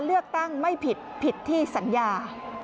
เลือกตั้งไม่ผิดผิดที่สัญญา